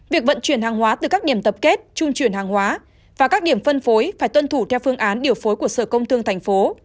việc vận chuyển hàng hóa từ các điểm tập kết trung chuyển hàng hóa và các điểm phân phối phải tuân thủ theo phương án điều phối của sở công thương thành phố